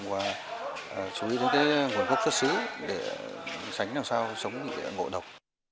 và chú ý đến nguồn gốc chất xứ để sánh làm sao sống ngộ độc